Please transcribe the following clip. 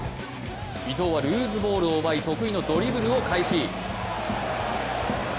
伊東はルーズボールを奪い得意のドリブルを開始。